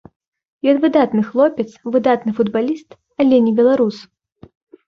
Ён выдатны хлопец, выдатны футбаліст, але не беларус.